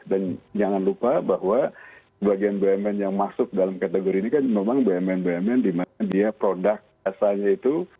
dan jangan lupa bahwa bagian bumn yang masuk dalam kategori ini kan memang bumn bumn di mana dia produk asalnya itu